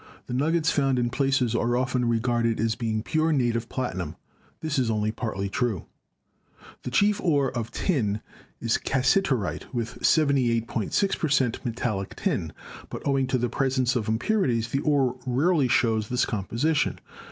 The nuggets found in placers are often regarded as being pure native platinum; this is only partly true. The chief ore of Tin is Cassiterite, with 78.6 per cent, metallic tin, but owing to the presence of impurities the ore rarely shows this composition.